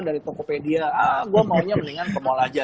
dari tokopedia ah gue maunya mendingan pemola aja